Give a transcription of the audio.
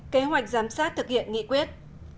kế hoạch giám sát thực hiện nghị quyết